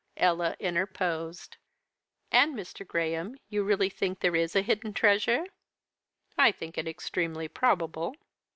Ella interposed. "And, Mr. Graham, you really think there is a hidden treasure?" "I think it extremely probable."